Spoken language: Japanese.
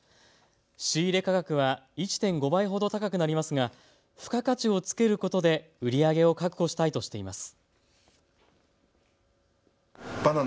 仕入れ価格は１．５倍ほど高くなりますが付加価値をつけることで売り上げを確保したいとしています。